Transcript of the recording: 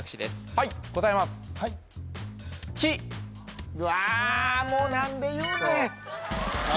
はい答えますわもう何で言うねん「木」